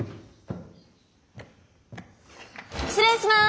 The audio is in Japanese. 失礼しまーす。